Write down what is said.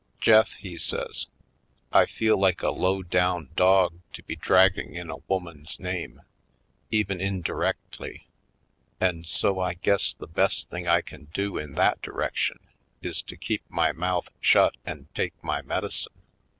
"Jeflf," he says, "I feel like a low down dog to be dragging in a woman's name, even indirectly; and so I guess the best thing I can do in that direction is to keep Oiled Skids 185 my mouth shut and take my medicine.